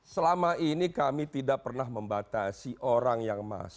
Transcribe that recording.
selama ini kami tidak pernah membatasi orang yang masuk